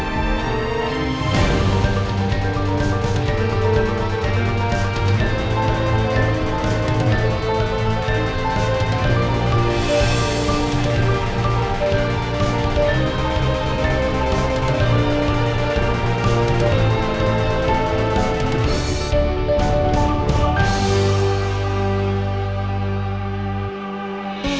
di rumah ini